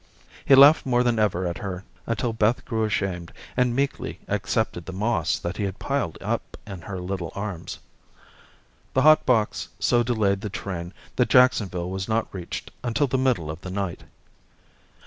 He laughed more than ever at her, until Beth grew ashamed, and meekly accepted the moss that he piled up in her little arms. The hot box so delayed the train that Jacksonville was not reached until the middle of the night.